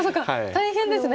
大変ですね。